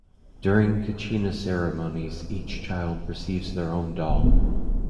During Kachina ceremonies, each child receives their own doll.